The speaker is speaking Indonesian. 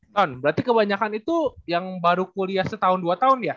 ton berarti kebanyakan itu yang baru kuliah setahun dua tahun ya